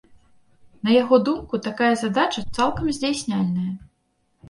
На яго думку, такая задача цалкам здзяйсняльная.